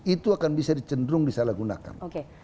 itu akan bisa dicenderung disalahgunakan